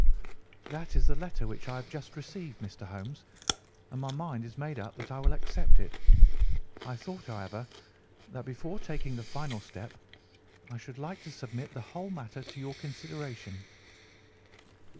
"That is the letter which I have just received, Mr. Holmes, and my mind is made up that I will accept it. I thought, however, that before taking the final step I should like to submit the whole matter to your consideration."